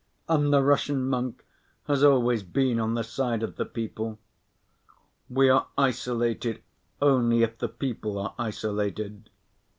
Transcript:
And the Russian monk has always been on the side of the people. We are isolated only if the people are isolated.